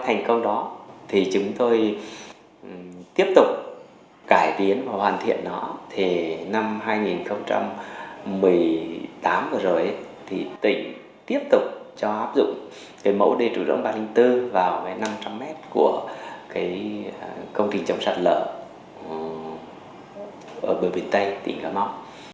trong năm hai nghìn một mươi tám tỉnh tiếp tục cho áp dụng mẫu đề trụ rỗng ba trăm linh bốn vào năm trăm linh m của công trình chống sạt lỡ ở bờ biển tây tỉnh cà mau